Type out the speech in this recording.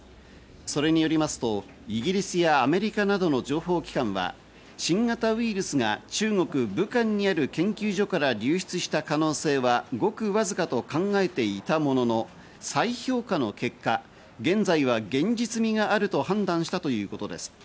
それによりますと、イギリスやアメリカなどの情報機関は新型ウイルスが中国・武漢にある研究所から流出した可能性はごくわずかと考えていたものの、再評価の結果、現在は現実味があると判断したということです。